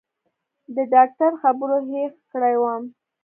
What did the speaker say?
د ډاکتر خبرو هېښ کړى وم.